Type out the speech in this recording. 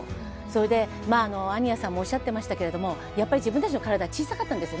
それで安仁屋さんもおっしゃってましたけれどもやっぱり自分たちの体は小さかったんですよね